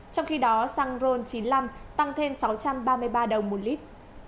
trong khi đó xăng ron chín mươi năm tăng thêm sáu trăm ba mươi ba đồng một lít